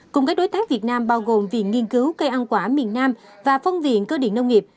cùng các đối tác việt nam bao gồm viện nghiên cứu cây ăn quả miền nam và phân viện cơ điện nông nghiệp